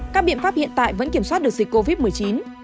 các biện pháp hiện tại vẫn kiểm soát được dịch covid một mươi chín